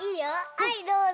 はいどうぞ。